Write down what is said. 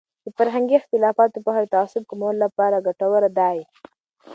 د فرهنګي اختلافاتو پوهه د تعصب کمولو لپاره ګټوره دی.